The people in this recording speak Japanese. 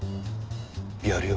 やるよ。